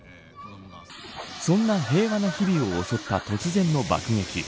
そんな平和な日々を襲った突然の爆撃。